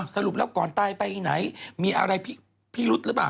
สรุปแล้วก่อนตายไปไหนมีอะไรพิรุธหรือเปล่า